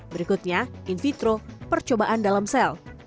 berikutnya in vitro percobaan dalam sel